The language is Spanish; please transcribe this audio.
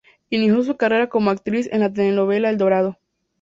Inició su carrera como actriz en la telenovela "El Dorado".